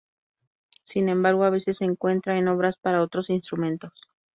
Sin embargo, a veces se encuentra en obras para otros instrumentos.